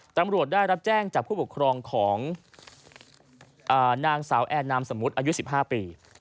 ตำรวจได้รับแจ้งจากผู้ปกครองของนางสาวแอร์นามสมมุติอายุ๑๕ปี